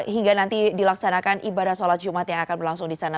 hingga nanti dilaksanakan ibadah sholat jumat yang akan berlangsung di sana